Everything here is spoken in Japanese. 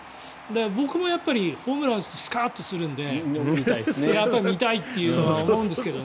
僕も、ホームランを打つとスカッとするんでやっぱり見たいとは思うんですけどね。